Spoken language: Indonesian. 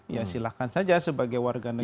ya silahkan saja sebagai warga negara